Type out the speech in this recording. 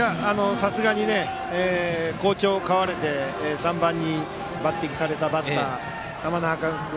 さすがに好調を買われて３番に抜擢されたバッターの玉那覇君。